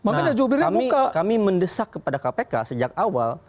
makanya kami mendesak kepada kpk sejak awal